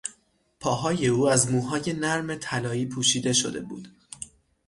پاهای او از موهای نرم طلایی پوشیده شده بود.